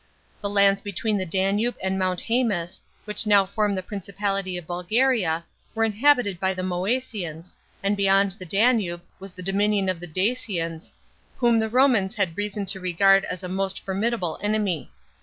The lands between the Danube and Mount Hsemus, which now form the principality of Bulgaria, were inhabited by the Moesians, and beyond the Danube was the dominion of the Dac'ans, whom the Romans had reason to regard as a most fornrdable enemy.